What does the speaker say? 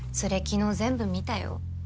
昨日全部見たよ。